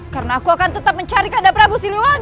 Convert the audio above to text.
karena aku akan tetap mencari kada prabu siliwang